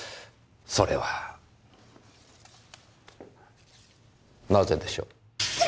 それはなぜでしょう。